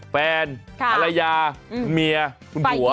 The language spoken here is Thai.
แฟนภรรยาเมียคุณผัว